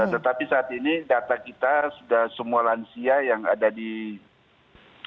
tetapi saat ini data kita sudah semua lansia yang ada di indonesia